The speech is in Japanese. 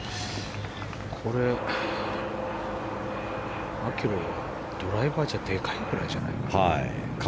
これ、マキロイはドライバーじゃでかいくらいじゃないか？